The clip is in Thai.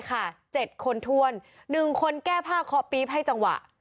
ไปกันเลย๗คนทวน๑คนแก้ผ้าเคาะปรี๊บให้จังหวะ